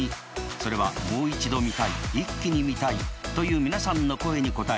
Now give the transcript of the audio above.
それはもう一度見たいイッキに見たいという皆さんの声に応え